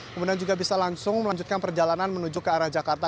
kemudian juga bisa langsung melanjutkan perjalanan menuju ke arah jakarta